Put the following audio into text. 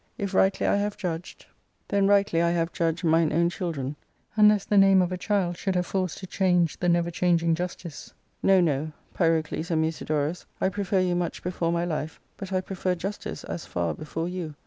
If rightly I have judged, then rightly I have 47a ARCADIA.— Book V. judged mine own children — unless the name of a child should have force to change the never changing justice. No, no, Pyrocles and Musidorus, I prefer you much before my life, but I prefer justice as far before you.